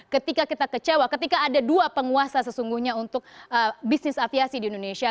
ketika kita kecewa ketika ada dua penguasa sesungguhnya untuk bisnis aviasi di indonesia